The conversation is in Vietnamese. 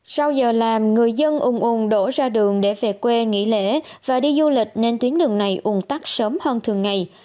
sau giờ làm người dân ùn ùn đổ ra đường để về quê nghỉ lễ và đi du lịch nên tuyến đường này ùn tắc sớm hơn thường ngày